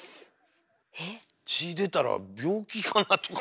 血出たら病気かなとか。